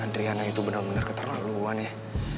andriana itu bener bener keternak luguannya